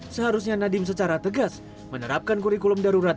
seharusnya nadiem secara tegas menerapkan kurikulum darurat